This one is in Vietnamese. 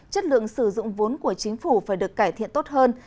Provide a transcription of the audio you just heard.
chất lượng sử dụng vốn của chính phủ phải được cải thiện tốt hơn